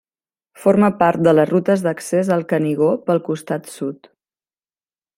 Forma part de les rutes d'accés al Canigó pel costat sud.